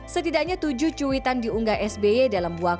setidaknya tujuh cuitan diunggah sby dalam kisah ini